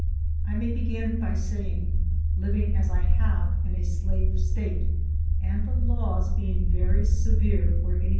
I may begin by saying, living as I have in a slave State, and the laws being very severe where any LIFE OF HARRIET TUBMAN.